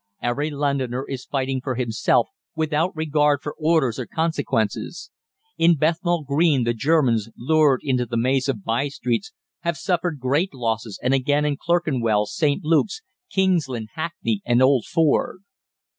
Every Londoner is fighting for himself, without regard for orders or consequences. In Bethnal Green the Germans, lured into the maze of by streets, have suffered great losses, and again in Clerkenwell, St. Luke's, Kingsland, Hackney and Old Ford.